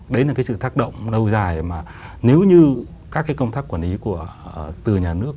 đấy là cái sự tác động lâu dài mà nếu như các cái công tác quản lý từ nhà nước